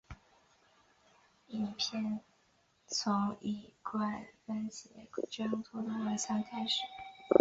影片从一罐蕃茄酱罐头的晚餐开始。